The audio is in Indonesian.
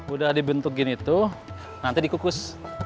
udah dibentukin itu nanti dikukus